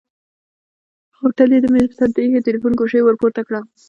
هوټلي د مېز پر سر د ايښي تليفون ګوشۍ ورپورته کړه.